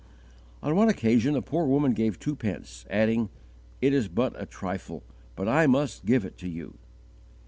On one occasion a poor woman gave two pence, adding, "It is but a trifle, but I must give it to you."